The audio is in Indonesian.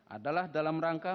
adalah dalam rangka